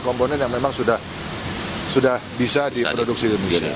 komponen yang memang sudah bisa diproduksi demikian